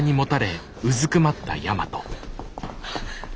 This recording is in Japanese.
あっ。